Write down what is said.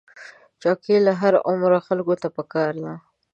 چوکۍ له هر عمر خلکو ته پکار ده.